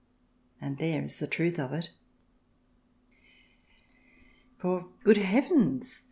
And there is the truth of it. For, good heavens